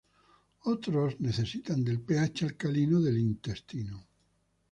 Otros necesitan del pH alcalino del intestino.